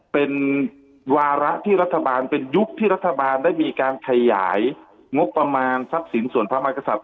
เป็นวาระที่รัฐบาลเป็นยุคที่รัฐบาลได้มีการขยายงบประมาณทรัพย์สินส่วนพระมากษัตริย